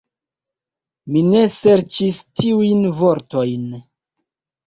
Mi ne serĉis tiujn vortojn.